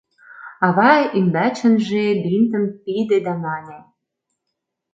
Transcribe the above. Ава ӱмбачынже бинтым пиде да мане: